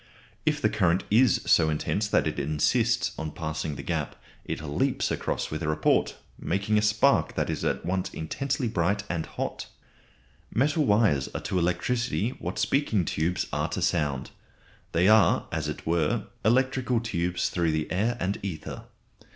If the current is so intense that it insists on passing the gap, it leaps across with a report, making a spark that is at once intensely bright and hot. Metal wires are to electricity what speaking tubes are to sound; they are as it were electrical tubes through the air and ether.